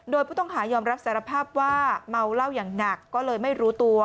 โดยผู้ต้องหายอมรับสารภาพว่าเมาเหล้าอย่างหนักก็เลยไม่รู้ตัว